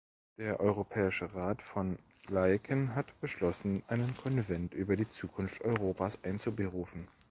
Der Europäische Rat von Laeken hat beschlossen, einen Konvent über die Zukunft Europas einzuberufen.